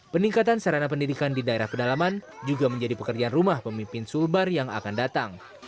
peningkatan sarana pendidikan di daerah pedalaman juga menjadi pekerjaan rumah pemimpin sulbar yang akan datang